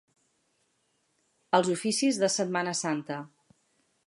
Els oficis de Setmana Santa.